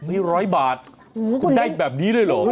มี๑๐๐บาทคุณได้แบบนี้ด้วยหรือเห้ยเห้ย